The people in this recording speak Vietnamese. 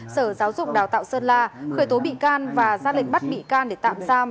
sở giáo dục đào tạo sơn la khởi tố bị can và ra lệnh bắt bị can để tạm giam